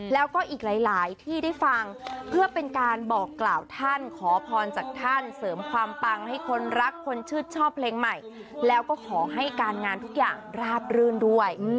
แล้วก็อีกหลายที่ได้ฟังเพื่อเป็นการบอกกล่าวท่านขอพรจากท่านเสริมความปังให้คนรักคนชื่นชอบเพลงใหม่แล้วก็ขอให้การงานทุกอย่างราบรื่นด้วย